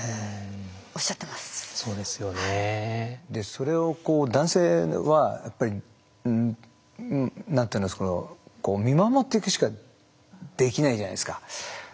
それをこう男性はやっぱり見守っていくしかできないじゃないですか。